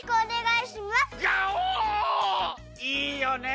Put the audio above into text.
いいよね。